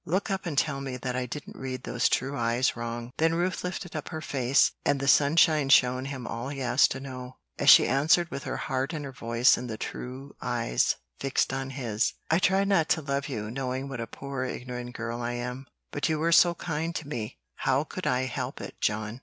Look up and tell me that I didn't read those true eyes wrong." Then Ruth lifted up her face, and the sunshine showed him all he asked to know, as she answered with her heart in her voice and the "true eyes" fixed on his, "I tried not to love you, knowing what a poor ignorant girl I am; but you were so kind to me, how could I help it, John?"